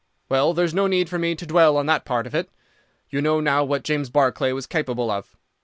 "Well, there's no need for me to dwell on that part of it. You know now what James Barclay was capable of.